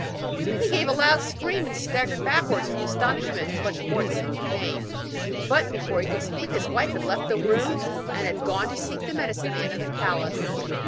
He gave a loud scream and staggered backwards, from astonishment, much more than from pain. But before he could speak his wife had left the room and had gone to seek the medicine man of the palace.